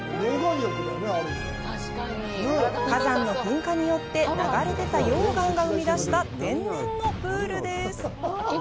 火山の噴火によって流れ出た溶岩が生み出した天然のプールです。